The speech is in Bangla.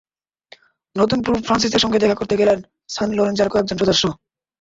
নতুন পোপ ফ্রান্সিসের সঙ্গে দেখা করতে গেলেন সান লরেঞ্জোর কয়েকজন সদস্য।